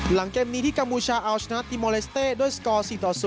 หลังเกมนี้ที่กัมพูชาอาว์ชนะติมอเลสเตอร์ด้วยสกอร์๔๐